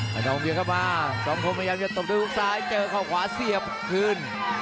ดองเบียดเข้ามาสองคมพยายามจะตบด้วยฮุกซ้ายเจอเข้าขวาเสียบคืน